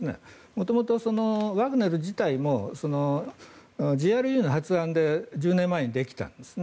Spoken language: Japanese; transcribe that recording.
元々、ワグネル自体もＧＲＵの発案で１０年前にできたんですね。